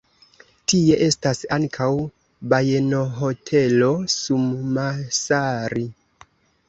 Tie estas ankaŭ bajenohotelo Summassaari.